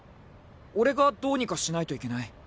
俺がどうにかしないといけない。